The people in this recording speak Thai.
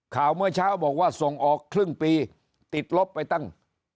ข่าวเมื่อเช้าบอกว่าส่งออกครึ่งปีติดลบไปตั้ง